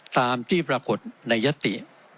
ตามที่ปรากฏในยติ